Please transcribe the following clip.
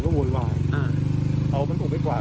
ข้างหลังนะแล้วก็ไปทุบ